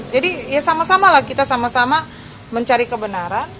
jadi ya sama sama lah kita sama sama mencari kebenaran